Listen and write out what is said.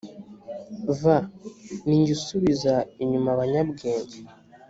v ni jye usubiza inyuma abanyabwenge